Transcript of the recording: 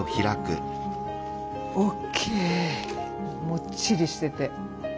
もっちりしてて。